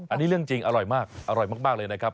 อันนี้เรื่องจริงอร่อยมากอร่อยมากเลยนะครับ